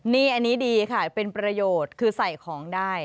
นี่อันนี้ดีค่ะเป็นประโยชน์คือใส่ของได้